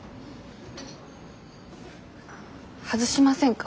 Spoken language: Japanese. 外しませんか？